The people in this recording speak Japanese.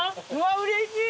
うれしい。